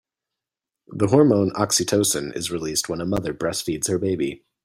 The hormone oxytocin is released when a mother breastfeeds her baby.